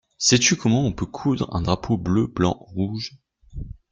Sais-tu comment on peut coudre un drapeau bleu, blanc, rouge?